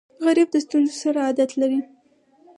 غریب د ستونزو سره عادت لري